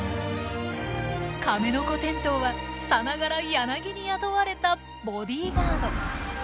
カメノコテントウはさながらヤナギに雇われたボディガード。